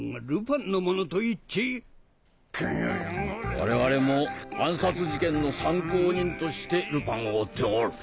我々も暗殺事件の参考人としてルパンを追っておる。